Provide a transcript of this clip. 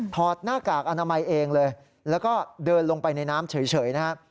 หน้ากากอนามัยเองเลยแล้วก็เดินลงไปในน้ำเฉยนะครับ